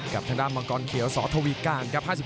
กับทางด้านมังกรเขียวสอทวีการครับ